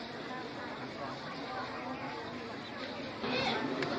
สวัสดีครับ